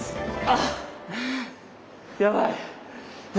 あっやばい。